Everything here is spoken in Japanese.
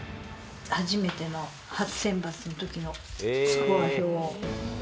初めての初先発のときのスコア表。